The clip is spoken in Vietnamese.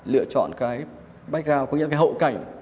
lựa chọn cái background có nghĩa là cái hậu cảnh